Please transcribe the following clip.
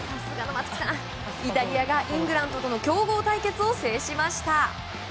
イタリアがイングランドとの競合対決を制しました。